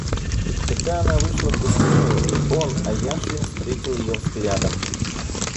Когда она вышла в гостиную, не он, а Яшвин встретил ее взглядом.